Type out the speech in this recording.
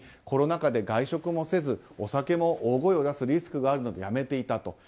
コロナ禍で外食もせずお酒も大声を出すリスクがあるのでやめていたと。